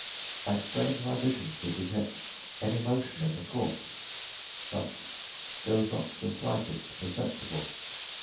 I strained my vision to detect any motion in the corpse but there was not the slightest perceptible.